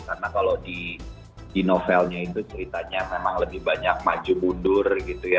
karena kalau di novelnya itu ceritanya memang lebih banyak maju mundur gitu ya